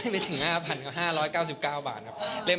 ไม่ถึง๕๐๐๐กว่าไม่ถึง๕๙๙บาทครับ